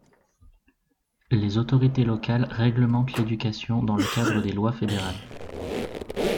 Les autorités locales réglementent l'éducation dans le cadre des lois fédérales.